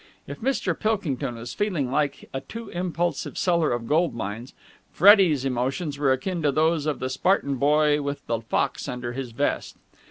If Mr. Pilkington was feeling like a too impulsive seller of gold mines, Freddie's emotions were akin to those of the Spartan boy with the fox under his vest.